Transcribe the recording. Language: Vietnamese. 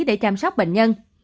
để chăm sóc bệnh nhân